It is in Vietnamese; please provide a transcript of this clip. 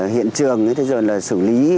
hiện trường thế rồi là xử lý